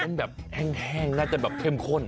มันแบบแห้งน่าจะแบบเข้มข้น